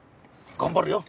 頑張るよ！